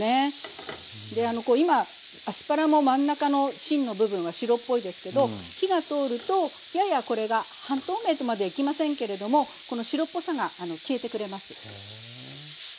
こう今アスパラも真ん中の芯の部分は白っぽいですけど火が通るとややこれが半透明とまではいきませんけれどもこの白っぽさが消えてくれます。